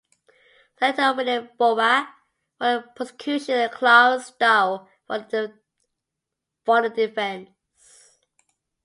Senator William Borah for the prosecution and Clarence Darrow for the defense.